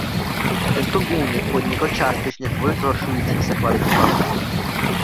Tento únik podnikl částečně kvůli zhoršující se kvalitě hlasu.